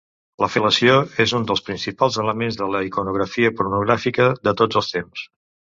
La fel·lació és un dels principals elements de la iconografia pornogràfica de tots els temps.